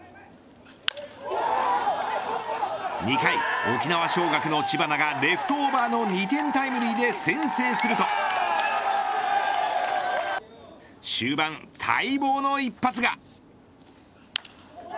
２回、沖縄尚学の知花がレフトオーバーの２点タイムリーで先制すると終盤待望の一発が。